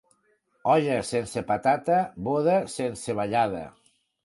Olla sense patata, boda sense ballada.